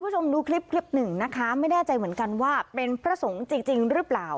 คุณผู้ชมดูคลิปคลิปหนึ่งนะคะไม่แน่ใจเหมือนกันว่าเป็นพระสงฆ์จริงจริงหรือเปล่า